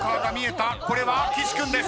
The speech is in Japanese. これは岸君です。